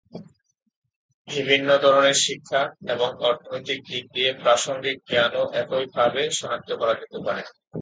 বিভিন্ন ধরনের শিক্ষা এবং অর্থনৈতিক দিক দিয়ে প্রাসঙ্গিক জ্ঞানও একইভাবে শনাক্ত করা যেতে পারে।